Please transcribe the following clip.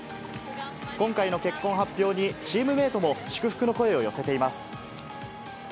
今回の結婚発表に、チームメートも祝福の声を寄せています。